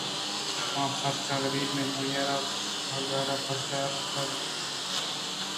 آ پرچا غریب اِنت؟ آئی ءَ را گراکاں پرچہ یل کُتگ